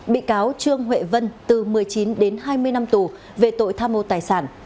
bị cáo trương huệ vân từ một mươi chín đến hai mươi năm tù về tội tham mô tài sản